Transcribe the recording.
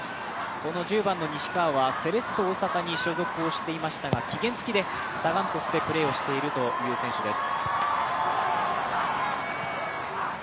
１０番の西川はセレッソ大阪に所属していましたが、期限つきでサガン鳥栖でプレーをしているという選手です。